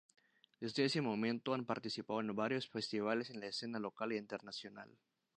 Desde ese momento han participado en varios festivales en la escena local e internacional.